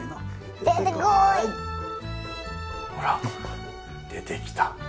ほら出てきた。